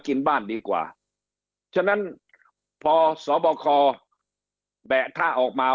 กินบ้านดีกว่าจนนั้นพอส่อบจบอาคอร์แบะท่าออกมา